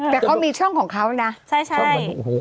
แต่เขามีช่องของเขานะใช่